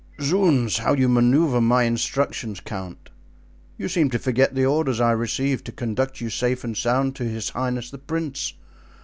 "Zounds! how you manoeuvre my instructions, count! You seem to forget the orders I received to conduct you safe and sound to his highness the prince!